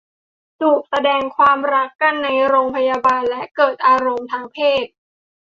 จูบแสดงความรักกันในโรงพยาบาลและเกิดอารมณ์ทางเพศ